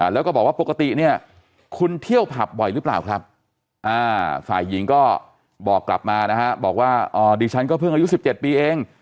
แล้วก็บอกว่าปกติเนี่ยคุณเที่ยวผับบ่อยหรือเปล่าครับฝ่ายหญิงก็บอกกลับมานะฮะบอกว่าดิฉันก็เพิ่งอายุ๑๗ปีเอง